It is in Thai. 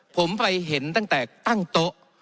ผมไปเห็นตั้งแต่ตั้งโต๊ะ